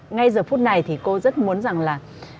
ngay giờ phút này thì cô rất muốn rằng là